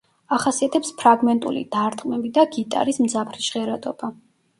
ახასიათებს ფრაგმენტული დარტყმები და გიტარის მძაფრი ჟღერადობა.